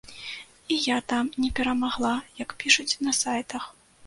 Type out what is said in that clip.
І я там не перамагла, як пішуць на сайтах!